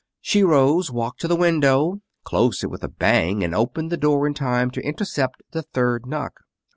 She rose, walked to the window, closed it with a bang, and opened the door in time to intercept the third knock.